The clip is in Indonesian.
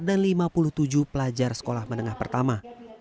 dan lima puluh tujuh pelajar sekolah menengah pertama